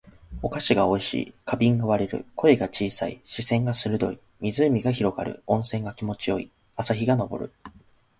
お菓子が美味しい。花瓶が割れる。声が小さい。視線が鋭い。湖が広がる。温泉が気持ち良い。朝日が昇る。